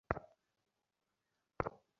মেহমানকে এভাবে কেউ রাতের খাবার খাওয়াই?